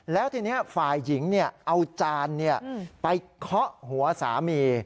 แล้วทีนี้ฝ่ายหญิงเอาจานไปเคาะหัวสามี